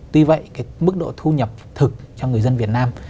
tuy vậy cái mức độ thu nhập thực cho người dân việt nam